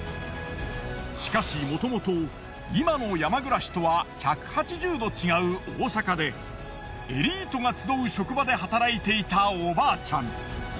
しかしもともと今の山暮らしとは１８０度違う大阪でエリートが集う職場で働いていたおばあちゃん。